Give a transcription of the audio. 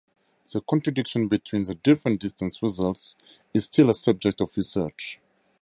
The contradiction between the different distance results is still a subject of research.